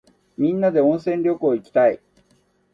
みんなで温泉旅行いきたい。